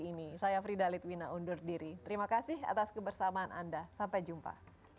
kali ini saya fridhalid wina undur diri terima kasih atas kebersamaan anda sampai jumpa